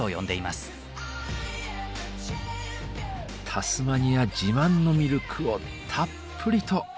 タスマニア自慢のミルクをたっぷりと。